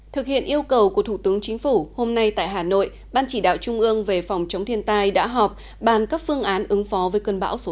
thực hiện yêu cầu của thủ tướng chính phủ hôm nay tại hà nội ban chỉ đạo trung ương về phòng chống thiên tai đã họp bàn các phương án ứng phó với cơn bão số năm